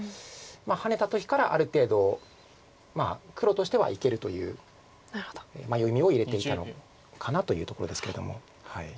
ハネた時からある程度黒としてはいけるという読みを入れていたのかなというところですけども。